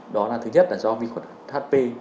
đó là thứ nhất là do vi khuẩn hp